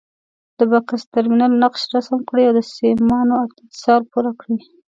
د بکس ټرمینل نقشه رسم کړئ او د سیمانو اتصال پوره کړئ.